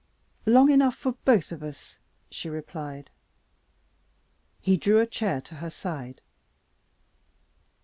"Long enough for both of us," she replied. He drew a chair to her side.